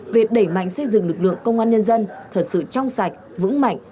về đẩy mạnh xây dựng lực lượng công an nhân dân thật sự trong sạch vững mạnh